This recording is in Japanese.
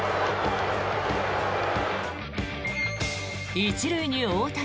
１塁に大谷。